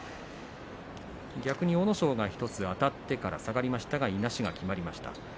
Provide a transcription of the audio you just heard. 逆に阿武咲は１つあたってから下がりましたがいなしがきまりました。